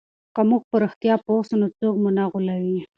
که موږ په رښتیا پوه سو نو څوک مو نه غولوي.